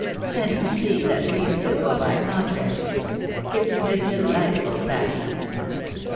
And you see that dreams do go by contraries. Isn't it delightful, Patty